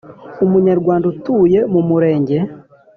Umunyarwanda utuye mu Murenge